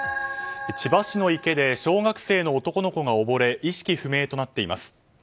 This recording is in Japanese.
千葉市の池で小学生の男の子が溺れ意識不明となっています。